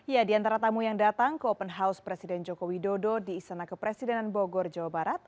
ya di antara tamu yang datang ke open house presiden joko widodo di istana kepresidenan bogor jawa barat